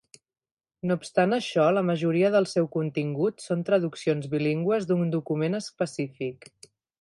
No obstant això, la majoria del seu contingut són traduccions bilingües d'un document específic.